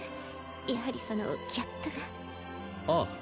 やはりそのギャップがああ